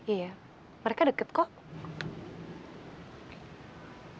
iya mereka deket kok